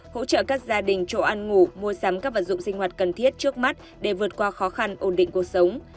hỗ trợ các gia đình chỗ ăn ngủ mua sắm các vật dụng sinh hoạt cần thiết trước mắt để vượt qua khó khăn ổn định cuộc sống